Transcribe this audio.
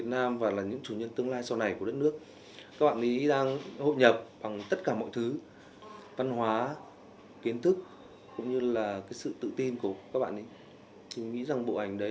nhưng khi anh có ý tưởng